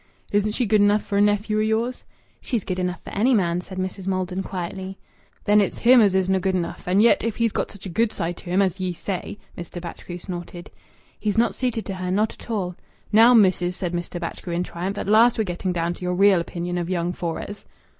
"Isn't she good enough for a nephew o' yours?" "She's good enough for any man," said Mrs. Maldon quietly. "Then it's him as isna' good enough! And yet, if he's got such a good side to him as ye say " Mr. Batchgrew snorted. "He's not suited to her not at all." "Now, missis," said Mr. Batchgrew in triumph, "at last we're getting down to your real opinion of young Fores."